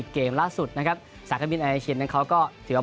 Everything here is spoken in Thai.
เกมส์ล่าสุดนะครับสายเครื่องบินแอร์เชียร์นั้นเขาก็ถือว่า